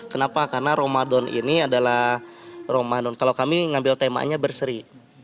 kenapa karena ramadan ini adalah ramadan kalau kami ngambil temanya berseri